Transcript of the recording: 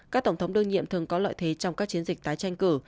các tổng thống đương nhiệm thường có lợi thế trong các chiến dịch tái tranh cử